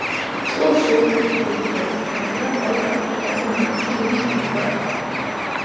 წყვილს სულ ხუთი შვილი შეეძინა, რომელთაგან ყველა გადარჩა, რაც იმ ეპოქაში დიდი იშვიათობა იყო.